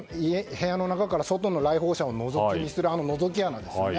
部屋の中から外の来訪者をのぞき見するあののぞき穴ですよね。